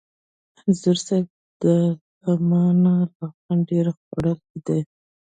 انځور صاحب! ده له ما نه لغمان ډېر خوړلی دی.